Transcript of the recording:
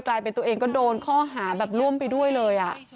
กลายเป็นตัวเองก็โดนข้อหาแบบร่วมไปด้วยเลย